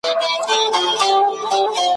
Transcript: د حبیبي او د رشاد او بېنوا کلی دی `